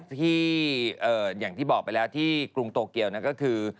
ที่อย่างที่บอกไปแล้วที่กรุงโตเกียวก็คือ